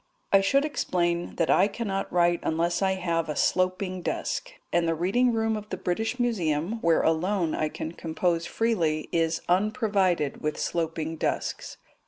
I should explain that I cannot write unless I have a sloping desk, and the reading room of the British Museum, where alone I can compose freely, is unprovided with sloping desks.